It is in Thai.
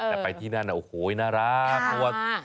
แต่ไปที่นั่นโอ้โฮน่ารัก